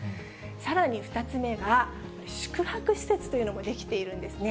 さらに、２つ目は、宿泊施設というのも出来ているんですね。